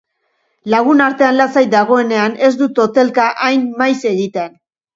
Lagunartean lasai dagoenean ez du totelka hain maiz egiten.